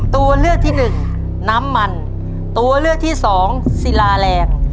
ตัวเลือกที่หนึ่งน้ำมันตัวเลือกที่สองศิลาแรง